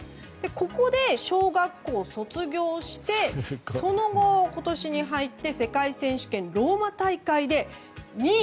ここで小学校を卒業してその後、今年に入って世界選手権ローマ大会で２位。